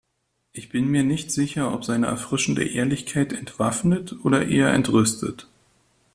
Ich bin mir nicht sicher, ob seine erfrischende Ehrlichkeit entwaffnet oder eher entrüstet.